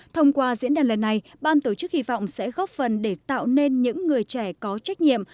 thông qua diễn đàn lần này ban tổ chức hy vọng sẽ góp phần để tạo nên những người trẻ có trách nhiệm